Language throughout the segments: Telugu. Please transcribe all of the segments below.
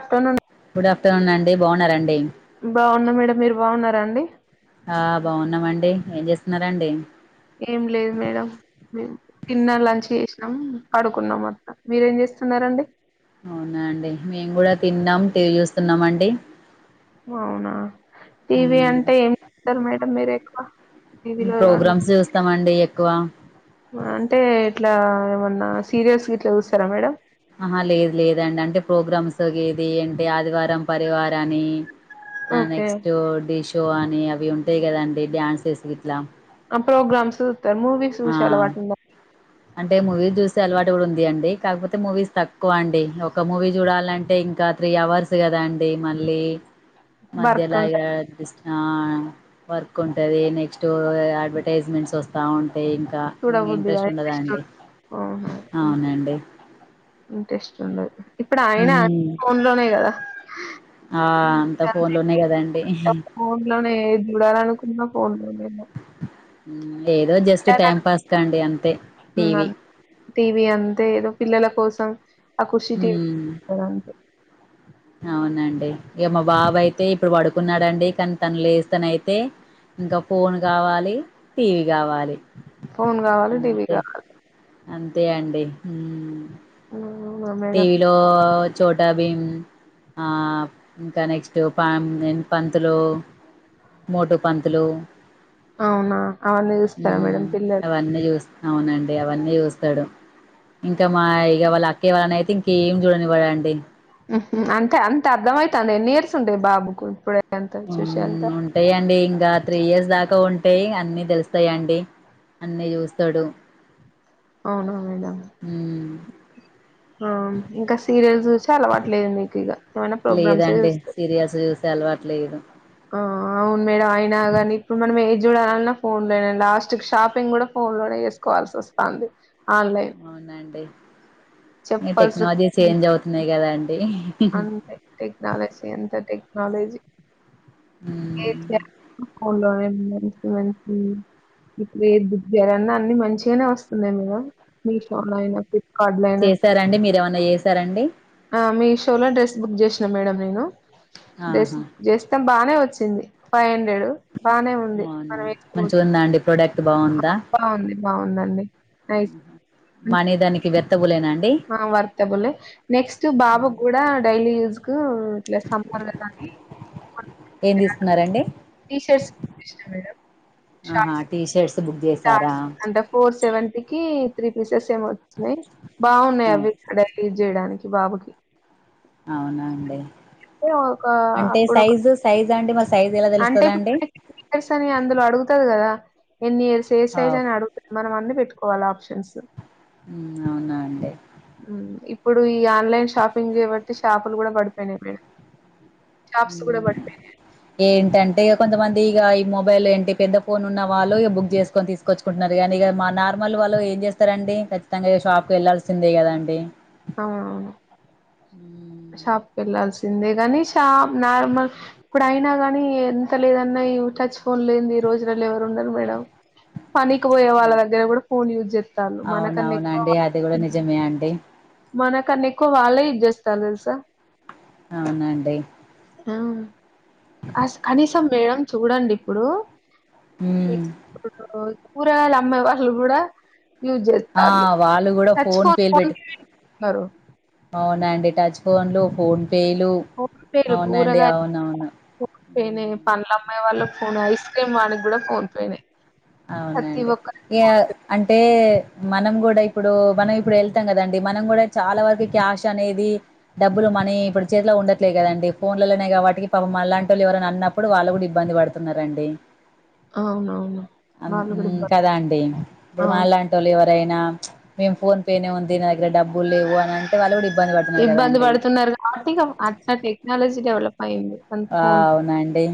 ఆఫ్టర్నూన్ గుడ్ ఆఫ్టర్నూన్ అండి బాగున్నారా అండి బావున్న మేడం మీరు బావున్నారా అండి ఆ బావున్నామండి ఏం చేస్తున్నారండి ఏం లేదు మేడం తీన్న లంచ్ చేసినాం పడుకున్నాం అట్లా మీరేం చేస్తున్నారండి అవునా అండి మేము కూడా తిన్నాం టీవి చూస్తున్నామండి అవునా టీవి మ్మ్. అంటే ఏం చూస్తారు మేడం మీరు ఎక్కువ టీవీలో ఏమన్నా ప్రోగ్రామ్స్ చూస్తామండి ఎక్కువ అంటే ఇట్లా ఏమన్నా సీరియల్స్ ఇట్లా చూస్తారా మేడం ఆహా లేదు లేదు లేదండి అంటే ప్రోగ్రామ్స్ గీది ఏంటి అంటే ఆదివారం పరివారమని ఆ ఓకే నెక్స్ట్ డి షో అని అవి ఉంటాయ్ కదాండి డ్యాన్స్స్ ఇట్లా ఆ ప్రోగ్రామ్స్ చూతారు మూవీ సూసే అలవాటులెద అంటే మూవీ చూసె అలవాటు కూడా ఉంది అండి కాకపోతే మూవీస్ తక్కువ అండి ఒక మూవీ చూడాలంటే ఇంకా త్రీ అవర్స్ కదా అండి మళ్ళీ వర్క్ మధ్యలా ఇగ ఉంటది డిస్ ఆ వర్క్ ఉంటది నెక్స్ట్ అడ్వర్టైజ్మెంట్స్ వస్తా ఉంట ఉంటే ఇంకా ఇక చూడబుద్ది ఇంట్రెస్ట్ కాదు ఇంట్రెస్ట్ ఉండదండి ఉండదు అవునండి ఇంట్రెస్ట్ ఉండదు ఇప్పుడు అయినా ఉ ఫోన్ లోనే కదా ఆ అంత ఫోన్లు అంతే ఉన్నాయి కదాండి ఫోన్ లోనే ఏది చూడాలనుకున్నా ఫోన్ లో నె నేను ఏదో జస్ట్ టైం పాస్ కాండి అంతే టీవి తినాలనుకున్నాను టీవీ అంతే ఏదో పిల్లల కోసం అ ఖుషి టీవీ ఉమ్ అవునండి ఇక మా బాబు ఐతే ఇప్పుడు పడుకున్నాడండి కానీ తన లేస్తనే అయితే ఇంక ఫోన్ కావాలి టీవీ కావాలి ఫోన్ కావాలి టీవీ అంతే కావాలి అంతే అండి అవునా మేడం టీవీలో చోట భిమ్ ఆ ఇంకా నెక్స్ట్ పం పంతులు మోటు పంతులు అవునా అవన్నీ చుస్తార మ్మ్ మేడం పిల్లలు అవన్నీ అవునండి అవన్నీ చూస్తాడు ఇంకా మా ఇ ఇవళనైతే ఇంకేం చూడనివ్వడండి అంతే అంత అర్థం మైతంది ఎన్ని ఇయర్స్ ఉంటాయి బాబుకు ఇప్పుడే అంత చూసె అంత మ్మ్ ఉంటాయండి ఇంకా త్రీ ఇయర్స్ దాకా ఉంటాయి అన్ని తెలుస్తాయండి అన్ని చూస్తాడు అవునా మేడం ఉమ్ ఆ ఇంకా సీరియల్స్ చూసి అలవాట్లేదు మీకు ఇక ఏమైనా ప్రోగ్రామ్స్ లేదండి చూస్తే సీరియల్స్ అలవాటులేదు ఆ అవును మేడం అయినా గానీ ఇప్పుడు మనం ఏది చూడాలన్నా ఫోన్ లోనే లాస్ట్ షాపింగ్ కూడా ఫోన్ లోనే చేసుకోవాల్సి వస్తుంది ఆన్లైన్ అవునండి చెప్పాల్సి టెక్నాలజీ వస్తుంది. చేంజ్ అవుతున్నాయి కదాండి అంతే టెక్నాలజీ అంత టెక్నాలజీ ఏ మ్మ్ [unintelligible] ఇప్పుడు ఏ దిగ్గరన్నా అన్ని మంచిగానే వస్తుంది మీరు మీషో చేసారండి మీర ఏమన్నా చేసారండి ఆ మీ షోలో డ్రెస్ బుక్ చేసినా మేడం నేను డ్రెస్ ఆహా బుక్ చే ఇతం బాగానే వచ్చింది ఫైవ్ హండ్రెడ్ బాగానే ఉంది మనం ఉందండీ ప్రొడక్ట్ బా బాగుంది బాగుందండి నైస్ ఆహా. మనీ దానికి వర్త్బలేనండీ ఆ వర్తబల్ నెక్స్ట్ బాబు కూడా డైలీ యూస్ కు లే సమ్మర్ కదా అనీ ఏం తీసుకున్నారండి టీషర్స్ తీసుకున్న మేడమ్ ఆహా షార్ట్స్ టీ షర్ట్స్ బుక్ చేసారా షార్ట్స్ ఫోర్ సెవెంటీకిి త్రీ పీసెస్ ఏమి వచ్చినయి బాగున్నాయి అవు అవి డైలీ యూస్ చేయడానికి బాబుకి అవునా అండి అంటే ఒక అంటే అప్పుడు ఒక సైజు సైజ్ అండి మ అంటే ఇప్పుడు ఎన్ని ఇయర్స్ అని అందులో అడుగుతది కదా ఎన్ని ఇయర్స్ ఏ సైజ్ అవ్ అని అడుగు మనం అన్ని పెట్టుకోవాల ఆప్షన్స్ అవునా అండి ఇప్పుడు ఈ ఆన్లైన్ షాపింగ్ కాబట్టి షాపులు కూడా పడిపోయినాయి మేడం అ షాప్స్ కూడా పడిపోయినాయి ఏంటంటే కొంతమంది ఇక ఈ మొబైల్ ఏంటి పెద్ద ఫోన్ ఉన్న వాళ్ళు బుక్ చేసుకొని తీ కొనుచ్చుకుంటున్నారు కానీ ఇక మా నార్మల్ వాళ్ళు ఏం చేస్తారం అడి ఖచ్చితంగా షాప్కి వెళ్లాాల్సిందే కదా అండి అవునవును షాప్కి వెళ్లాల్సిందే గానీ షాప్ నార్మల్ ఇప్పుడు అయినా గానీ ఎంత లేదన్నా టచ్ ఫోన్ లేని రోజులల్లా ఎవరు ఉండరు మేడం పనికి పోయే వాళ్ళ దగ్గర కూడా ఫోన్ యూజ్ చేతాళ్ళు మనకన్నా ఎక్కువ ఏవండీ మనకన్నా ఎక్కువ వాళ్ళే యూస్ చేస్తారు తెలుసా అవునండి ఆ అ అనీషా మేడం చూడండి ఇప్పుడు ఉమ్ కూరగాయలు అమ్మే వాళ్ళు కూడా యూజ్ ఆ చేత్తల్లు వాళ్ళు కూడా ఫోన్ పేలు పెట్టి అవునండి టచ్ ఫోన్లు ఫోన్ పేలు ఫోన్ పే లు అవునండి కురగయా అవునవును ఫోన్ పే నే ఉమ్, పండ్లు అమ్మే వాళ్ళ ఫోన్ ఐస్ క్రీమ్ వాళ్ళ కూడా ఫోన్ పేనే ప్రతి అవునండి ఒక్కరికి ఇగ ఫోన్ పే అంటే మనం కూడా ఇప్పుడు మనం ఇప్పుడు వెళ్తాం కదండి మనం కూడా చాలా వరకు క్యాష్ అనేది డబ్బులు మనీ ఇప్పుడు చేతిలో ఉండట్లే కదండి ఫోన్లలోనే ఇగ వాటికి పాపం మన లాంటి వాళ్ళు ఎవరన్నా అన్న ప్పుడు వాళ్ళు కూడా ఇబ్బంది పడుతున్నారండి అవునవును అన్ వాళ్ళు కూడా ఇబ్బ కదా అండి ఇప్పుడు అవును మనలాంటి ళ్ళు ఎవరు అయినా మేము ఫోన్ పేనే ఉంది నా దగ్గర డబ్బులు లేవు అని అంటే వాళ్ళ కూడా ఇబ్బంది పడుతున్నారు కదా అండి అట్ట టెక్నాలజీ డెవలప్ అయ్యింది అంత ఆ ఫోన్ అవునండి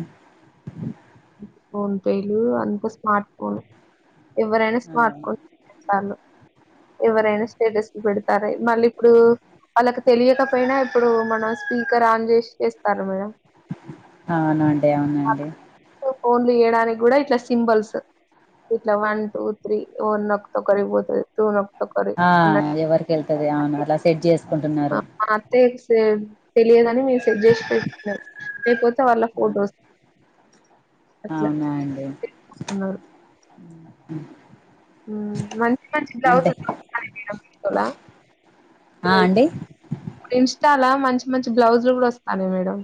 ఫోన్ పే లు అంత స్మార్ట్ ఫోన్ ఎవరైనా ఆ స్మార్ట్ టళ్ళు ఎవరైనా స్టేటస్ పెడుతు సరే మళ్ళీ ఇప్పుడు వాళ్ళకి తెలియకపోయినా ఇప్పుడు మనం స్పీకర్ ఆన్ చేసి చేస్తారు మేడం అవునండి అవునండి ఫోన్లు చేయడానికి కూడా ఇట్లా సింబల్స్ ఇట్లా వన్ టూ త్ర్రి వన్ నొక్కితే ఒకరికి పోతది టూ నొక్కితే ఒకరి ఆ ఎవరికి వెళ్తది అవును అలా సెట్ ఆ చేసుకుంటున్నారు మా అత్తయ్య సేమ్ తెలియదని మీరు సెట్ చేసి పెడుతున్నారు లేకపో వాళ్ళ అవును. ఫోటోస్ అవునా అండి మంచి మంచి బ్లౌజ్ అంటే [inaudible] ఆ అండి ఇప్పుడు ఇన్స్టాలా మంచి మంచి బ్లౌజ్లు కూడా వస్తాన్నాయి మేడం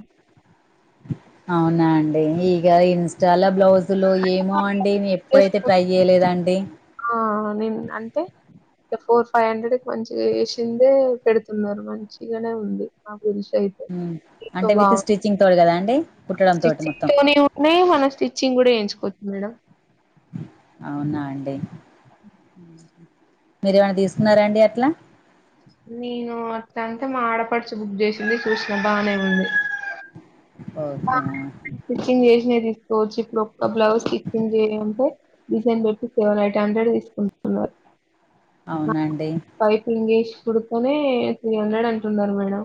అవునా అండి ఇగ ఇన్స్టాలా బ్లౌజులు ఏ మో అండి నే ఎప్పుడైతే చేసుకుంటా. ట్రై చేయలేదండి ఆ నేను అంతే ఇగ ఫోర్ ఫైవ్ హండ్రెడ్ కి మంచిగా చేసిందే పెడుతున్నారు మంచిగానే ఉంది ఆ బ్లూ సైజ్ మ్మ్ ఎంత అంటే విత్ బాగు స్టిచ్చింగ్ తోటి కదా అండి కుట్టడం తోటి స్టిచ్చింగ్ మొత్తం తోనే ఉన్నాయి మన స్టిచ్చింగ్ కూడా ఎయించుకోవచ్చు మేడం అవునా అండి మీరేమైనా తీసుకున్నారా అండి అట్లా. నేను అత్తంతే ఆడపడుచు బుక్ చేసింది చూసిన బాగానే ఉంది. ఆ! ఓకే. స్టిచ్చింగ్ చేసినవి తీసుకోవచ్చు ఇప్పుడు ఒక్క బ్లౌజ్ స్టిచ్చింగ్ చేయు అంటే. డిజైన్ పెట్టి సెవెన్ ఎయిట్ హండ్రెడ్ తీసుకుంటున్నారు. అవునండి. పైపింగ్ వేసి కుడుతనే త్రీ హండ్రెడ్ అంటున్నారు మేడం.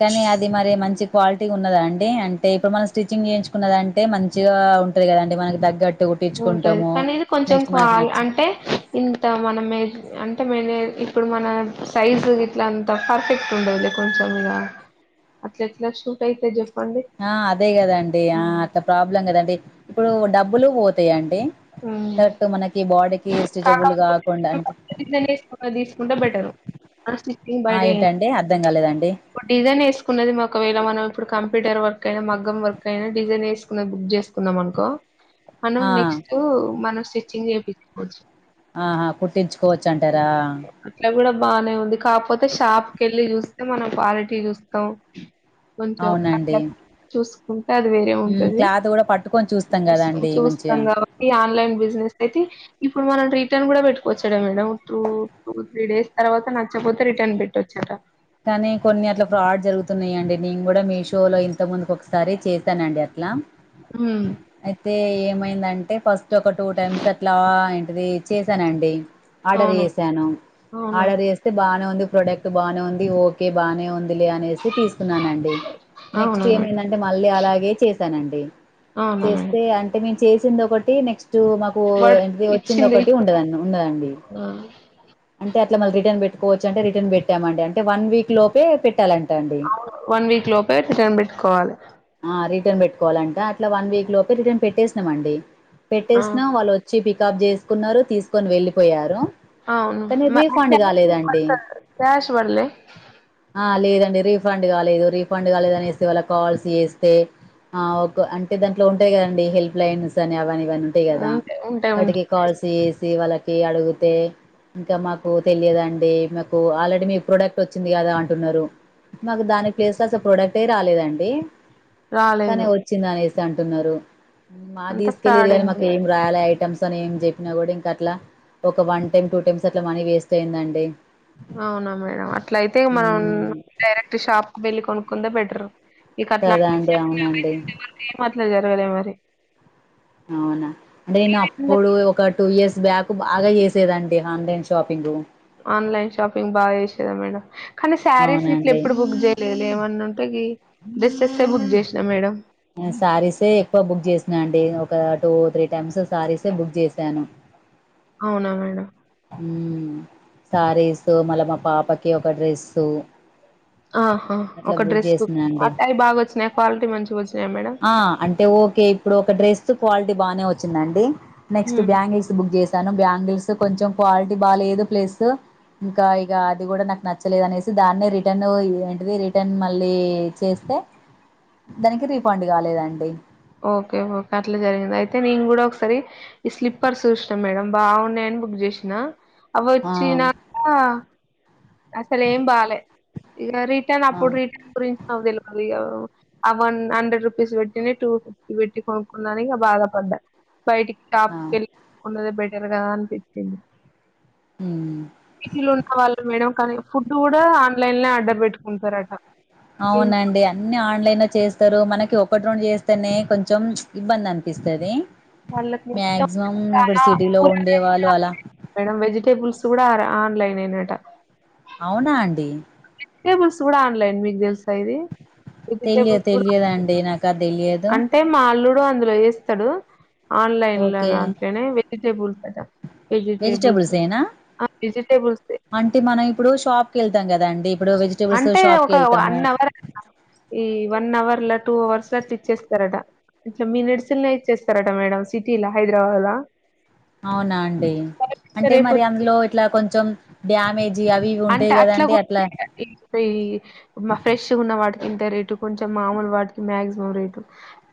కానీ అది మరి మంచి క్వాలిటీ ఉన్నదా అండి అంటే ఇప్పుడు మనం స్టిచ్చింగ్ చేయించుకున్నదంటే. అయితే మంచిగా ఉంటది కద అండి మనకి తగ్గట్. ఉంటది కానీ ఇది కొంచెం కాల్ నచ్చి అంటే. ఇంత మనమే అంటే మే ఇప్పుడు మన సైజు గిట్లా అంత పర్ఫెక్ట్ ఉండదులే. కొంచం ఇగ అట్లా ఎట్లా షూట్ అయితది చెప్పండి. ఆహ్ అదే కదండి ఆహ్ హ్మ్. అట్లా ప్రాబ్లం కదండి ఇప్పుడు డబ్బులు పోతాయండి. హ్మ్. కరెక్ట్ మనకి బాడీకి స్ట్రెచబుల్ కాకుండా అంటే. ఇట్లనే తీసుకుంటే బెటర్ ఆ స్టిచ్చింగ్ ఆ బయట చేయిం ఏంటండి అర్థం కాలేదండి ఇప్పుడు డిజైన్ వేసుకున్నది ఒకవేళ మనం ఇప్పుడు కంపూటర్ వర్క్ అయినా మగ్గం వర్క్ అయినా డిజైన్ వేసు. బుక్ చేసుకున్నం అనుకో మనం ఆ నెక్స్ట్ మనం స్టిచ్చింగ్ చేయించుకోవచ్చు. ఆహా కుట్టించుకోవచ్చు అంటారా. అట్లా కూడా బానే ఉంది కాకపోతే షాప్కి వెళ్ళి చూస్తే మనం క్వాలిటీ చూస్తాం. కొంచెం అవునండి అట్లానే. చూసుకుంటే అది వేరే హ్మ్. ఉంటది క్లాత్ కూడా పట్టుకొని చూస్తాం కదండి చూస్తాం మంచిగా కాబట్టి. ఈ ఆన్లైన్ బిజినెస్ అయితే ఇప్పుడు మనం రిటర్న్ కూడా పెట్టుకోవచ్చు కదా madam true. Two three days తర్వాత నచ్చపోతే రిటర్న్ పెట్టొచ్చు ఇంకా. కానీ కొన్ని అట్ల ఫ్రాడ్ జరుగుతున్నాయండి నేను కూడా మీషోలో ఇంత ముందుకు ఒకసారి చేశానండి అట్లా. ఉమ్. అయితే ఏమైందంటే ఫస్ట్ ఒక టూ టైమ్స్ అట్లా ఏంటిది చేశానండి. ఆర్డర్ అవును చేసాను అవునా ఆర్డర్ చేస్తే బానే ఉంది ప్రోడక్ట్ బానే ఉంది. ఓకే బాగానే ఉంది లే అనేసి తీసుకున్నానండి నెక్స్ట్ అవునా మేడం ఏమైందాంటే. అంటే మళ్ళీ అలాగే చేసానండి అవునా మేడం చేస్తే అంటే మేము చేసింది ఒకటి నెక్స్ట్ మాకు. వాడు ఆహ్ అదివచ్చింది ఒకటి ఉండదండి ఉన్నాదండి. ఆహ్. అంటే అట్లా మళ్ళ రిటన్ పెట్టుకోవచ్చు అంటే రిటర్న్ పెట్టామండి అంటే వన్ వీక్ లోపే పెట్టు. పెట్టాలంటా అండి. వన్ వీక్ లోపే రిటర్న్ పెట్టుకోవాలి. ఆహ్ రిటర్న్ పెట్టుకోవాలంటే అట్లా వన్ వీక్ లోపే రిటర్న్ పెట్టేసినాంమండి ఆ పెట్టేసినా వాళ్ళు వచ్చు. వచ్చి పికప్ చేసుకున్నారు తీసుకొని వెళ్ళిపోయారు. ఆసూఅవును కానీ రీఫండ్ క్యాష్ కాలేదండి మరి క్యాష్ పడ్లే. ఆహ్ లేదండి రీఫండ్ కాలేదు రిఫండ్ కాలేదు అనేసీ వాళ్ళకు కాల్స్ చేస్తే. ఆహ్ ఒక అంటే దాంట్లోంటాయి కదండి హెల్ప్ లైన్స్ అని అవి అని ఇవి అని. తేదా ఉంటే ఉంటే ఉంటే వాటికి కాల్స్ చేసి వాళ్ళకి అడుగితే. ఇంకా మాకు తెలియదండి మాకు ఆల్రెడీ మీకు ప్రోడక్ట్ వచ్చింది కదా అంటున్నారు. మాకు దాని ప్లేస్ల అసలు ప్రొడక్టే రాలేదండి. కానీ రాలేదు వచ్చింది అనేసి అంటున్నారు మాది అంతా తీసుకెళ్ళరు కానీ మాకు ఫ్రాడింగ్ ఏం రాలే. చాలా ఐటమ్స్ అని ఏం చెప్పినా కూడా ఇంక అట్లా ఒక వన్ టైమ్ టూ టైమ్స్ అట్లా మనీ వేస్ట్ అయిందండి. అవునా మేడం అట్ల అయితే మనం హ్మ్ డైరెక్ట్ షాప్ క వెళ్లి కొనుక్కుందే బెటర్ ఇక అట్లా కదా అండి [unintelligible] అవునండి అట్లా జరగాలే మరి అవునా నేను అప్పుడు ఒక టూ ఇయర్స్ బ్యాక్ బాగా చేసేదండి ఆన్లైన్ షాపింగ్ ఆన్లైన్ షాపింగ్ బాగా చేసేదా మేడం కానీ శారీస్ హిట్ల అవునండి ఎప్పుడు బుక్ చే లే లేమన్నా ఉంటేకి డ్రెస్ససే బుక్ చేసినా మేడం శారీసే ఎక్కువ బుక్ చేసిన అండి ఒక టూ త్రీ టైమ్స్ శారీసే బుక్ చేసాను అవునా మేడం ఉమ్ శారీసు మళ్ళా మా పాపకి ఒక డ్రెస్సు ఆహా అట్లా ఒక బుక్ డ్రెస్ చేసినా ఆ అండి టై బాగా వచ్చినాయి క్వాలిటీ మంచిగ వచ్చినాయ మేడం ఆ అంటే ఓకే ఇప్పుడు ఒక డ్రెస్ క్వాలిటీ బాగానే వచ్చిందండి నెక్స్ట్ హ్మ్. బ్యాంగిల్స్ బుక్ చేశాను బ్యాంగిల్స్ కొంచెం క్వాలిటీ బాగా లేదు ప్లెస్ ఇంకా ఇక అది కూడా నాకు నచ్చలేదు అనేసి దాన్ని రిటర్న్ ఏంటిది రిటర్న్ మళ్ళీ చేస్తే దానికి రిఫండ్ కాలేదండి ఓకే ఓకే అట్లా జరిగింది అయితే నేను కూడా ఒకసారి ఈ స్లిప్పర్స్ చూసిన మేడం బాగున్నాయని బుక్ చేసిన అవి ఆ వచ్చినాక అసలు ఏం బాలే ఇక రిటర్న్ ఆ అప్పుడు రిటర్న్ గురించి నాకు తెల్వదు ఇగ ఆ వన్ హండ్రెడ్ రూపీస్ పెట్టినే టూ ఫిఫ్టీ పెట్టి కొనుక్కున్నానిక బాధ పడ్డా బయటికి ఆ టాప్కి వెళ్ళికున్నదే బెటర్గాదా అనిపిచ్చింది ఉమ్ సిటీలో ఉన్న వాళ్ళు మేడం కానీ ఫుడ్ కూడా ఆన్లైన్ ఆర్డర్ పెట్టుకుంటారట అవునండి అన్ని ఆన్లైన్ లో చేస్తారు మనకి ఒకటి రెండు చేస్తేనే కొంచెం ప్చ్ ఇబ్బంది అనిపిస్తది వాళ్ళకి మొత్తం మాక్సిమం ఇప్పుడు చాలా సిటీ లో ఉండే కూరగాయలు వాళ్ళు అలా మేడం వెజిటేబుల్స్ కూడా ఆర ఆన్లైనే అట అవునా అండి టేబుల్స్ కూడా ఆన్లైన్ మీకు తెల్సా ఇది తెలియ వెజిటేబుల్స్ కూడా ఆన్లైన్. తెలియదండి నాకు అది తెలియదు అంటే మా అల్లుడు అందులో చేస్తాడు ఆన్లైన్ లో ఓకే దాంట్లనే వెజిటబుల్స్ అట వెజిటేబుల్స్ వెజిటబుల్స్ ఏనా ఆ వెజిటేబుల్సే అంటే మనం ఇప్పుడు షాప్ కి వెళ్తాం కదండి ఇప్పుడు వెజి అంటే ఒక వన్ అన్ అవర్ అట ఈ వన్ అవర్ లా టూ అవర్స్ లా తెచ్చిస్తారట ఇట్లా మినిట్స్ లోనే ఇచ్చేస్తారట మేడం సిటీ లా హైదరాబాద్ లా అవునా అండి అంటే మరి రేపు అందులో ఎట్లా కొంచెం డ్యామేజి అవి ఇవి అంటే ఉంటాయి కదా అండి కూడా అట్లా ఫ్రెష్ ఉన్న వాటికి ఇంత రేటు కొంచెం మామూలు వాటికి మాక్సిమం రేటు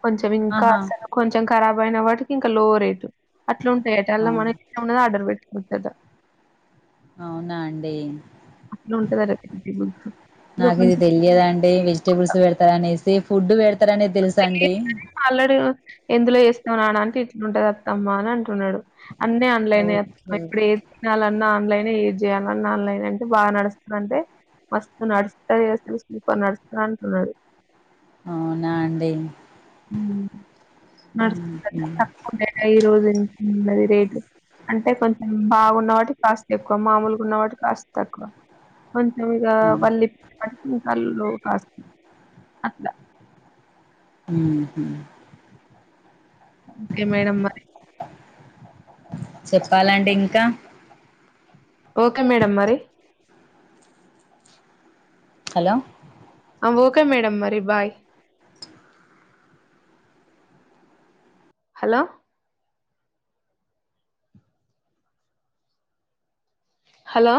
కొంచెం ఇంకా ఆహా అసలు కొంచెం కరాబ్ అయిన వాటికి ఇంకా లో రేటు అట్లా ఉంటాయట అవును. మనకి ఉన్నదే ఆర్డరు పెట్టుకుంటాద అవునా అండి అట్లా ఉంటదట ఇక నాకు ఇది కొంచెం తెలియదండి వెజి టేబుల్స్ పెడతారా అనేసి ఫుడ్ పెడతారు అనేది తెలుసు అండి అల్లుడు ఎందులో చేస్తున్నావ్ నానా అంటే ఇట్లుంటది అత్తమ్మా అని అంటున్నాడు అన్నీ ఆన్లైనే ఓకే ఇప్పుడే తినాలన్నా ఆన్లైనే ఏది చేయాలన్నా ఆన్లైనే అంటే బాగా నడుస్తుందా అంటే మస్తు నడుస్తాయి అసలు సూపర్ నడుస్తా అంటున్నారు అవునా అండి మ్ హుహు. [unintelligible] ఈ రోజు ఉన్నది రేట్ అంటే కొంచెం బాగున్న వాటికి కాస్త ఎక్కువ మామూలుగా ఉన్న వాటి కాస్త తక్కువ అంటే ఇంగ అవును. మళ్ళీ పటికాల్లో కాస్ అట్లా మ్ హు ఓకే మేడం మరి చెప్పాలండి ఇంకా ఓకే మేడమ్ మరి హలో ఓకే మేడమ్ మరి బాయ్ హలో హలో